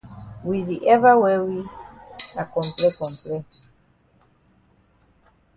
We we di ever wear na comple comple.